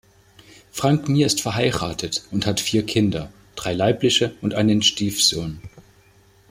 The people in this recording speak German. Frank Mir ist verheiratet und hat vier Kinder, drei leibliche und einen Stiefsohn.